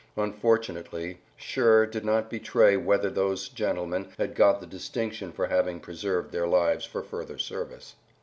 Unfortunately Scherl did not betray whether those gentlemen had got the distinction for having preserved their lives for further service.